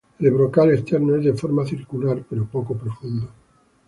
El brocal externo es de forma circular, pero poco profundo.